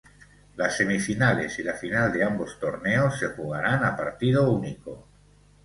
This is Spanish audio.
Las semifinales y la final de ambos torneos se jugarán a partido único.